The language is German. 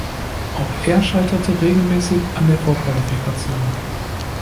Auch er scheiterte regelmäßig an der Vorqualifikation.